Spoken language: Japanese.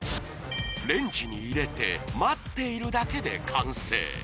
レンジに入れて待っているだけで完成！